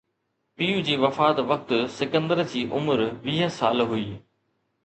پيءُ جي وفات وقت سڪندر جي عمر ويهه سال هئي